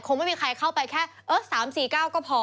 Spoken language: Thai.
คงไม่มีใครเข้าไปแค่๓๔เก้าก็พอ